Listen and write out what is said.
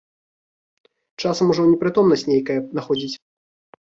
Часам ужо непрытомнасць нейкая находзіць.